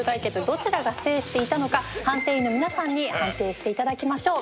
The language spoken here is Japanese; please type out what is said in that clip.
どちらが制していたのか判定員の皆さんに判定して頂きましょう。